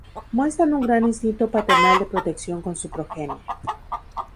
Muestran un gran instinto paternal de protección con su progenie.